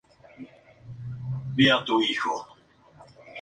Un carbanión es un intermedio de reacción habitual en química orgánica.